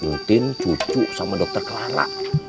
untin cucu sama dokter kelana